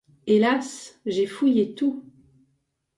Hélas! j’ai fouillé tout.